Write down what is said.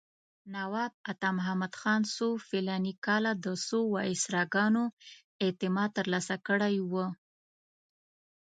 نواب عطامحمد خان څو فلاني کاله د څو وایسراګانو اعتماد ترلاسه کړی و.